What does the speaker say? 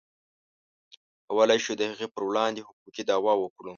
کولی شو د هغې پر وړاندې حقوقي دعوه وکړو.